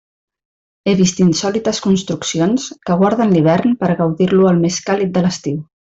He vist insòlites construccions que guarden l'hivern per a gaudir-lo al més càlid de l'estiu.